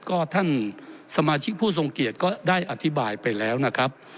ก็ท่านสมาชิกผู้ทรงเกียจก็ได้อธิบายไปแล้วนะครับ